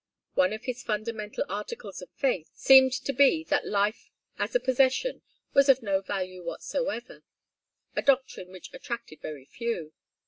One of his fundamental articles of faith seemed to be that life as a possession was of no value whatsoever: a doctrine which attracted very few.